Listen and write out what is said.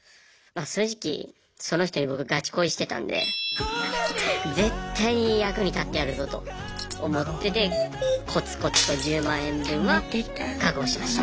正直その人に僕ガチ恋してたんで絶対に役に立ってやるぞと思っててこつこつと１０万円分は確保しました。